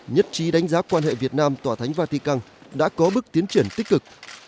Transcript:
nhất trí đánh giá quan hệ việt nam tòa thánh vatican đã có bước tiến triển tích cực